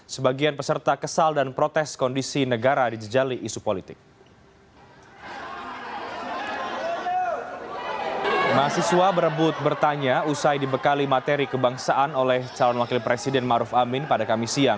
sebagian peserta kesal dan protes kondisi negara di jejali isu politik